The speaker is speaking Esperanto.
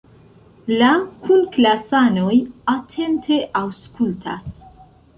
La kunklasanoj atente aŭskultas.